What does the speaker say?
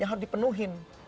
yang harus dipenuhi